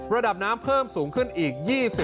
ระดับน้ำเพิ่มสูงขึ้นอีก๒๐